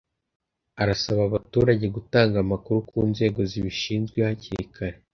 Arasaba abaturage gutanga amakuru ku nzego zibishinzwe hakiri kare